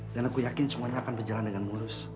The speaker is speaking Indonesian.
dan aku yakin semuanya akan berjalan dengan lurus